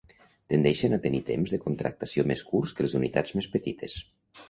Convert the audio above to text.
Tendeixen a tenir temps de contracció més curts que les unitats més petites.